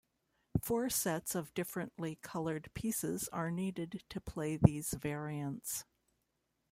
Four sets of differently colored pieces are needed to play these variants.